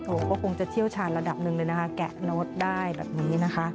โอ้โหก็คงจะเชี่ยวชาญระดับหนึ่งเลยนะคะแกะโน้ตได้แบบนี้นะคะ